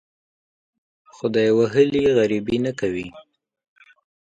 خدای وهلي غریبي نه کوي.